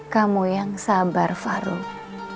kamu yang sabar farouk